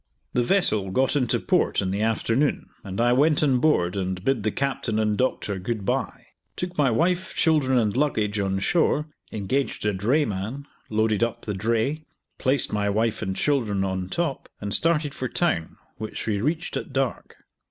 The vessel got into port in the afternoon, and I went on board and bid the captain and doctor good bye; took my wife, children, and luggage on shore, engaged a drayman, loaded up the dray, placed my wife and children on top, and started for town, which we reached at dark.